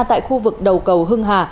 tại khu vực đầu cầu hưng hà